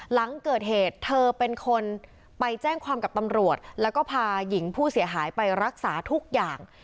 หลังเกิดเหตุเธอเป็นคนไปแจ้งความกับตำรวจแล้วก็พาหญิงผู้เสียหายไปรักษาทุกอย่าง